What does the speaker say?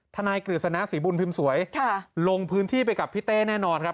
นายกฤษณะศรีบุญพิมพ์สวยลงพื้นที่ไปกับพี่เต้แน่นอนครับ